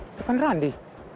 itu kan randi